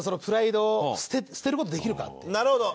なるほど。